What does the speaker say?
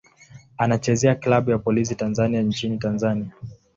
Anachezea klabu ya Polisi Tanzania nchini Tanzania.